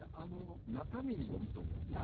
中身によると思うんですよね。